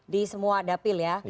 di semua dapil ya